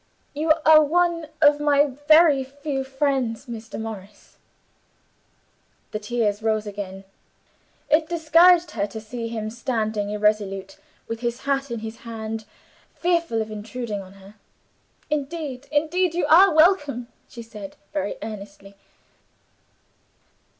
You are one of my very few friends, Mr. Morris" the tears rose again; it discouraged her to see him standing irresolute, with his hat in his hand, fearful of intruding on her. "Indeed, indeed, you are welcome," she said, very earnestly.